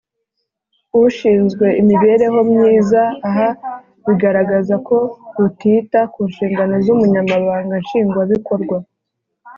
Ushinzwe imibereho myiza aha bigararaza ko rutita ku nshingano z umunyamabanga nshingwabikorwa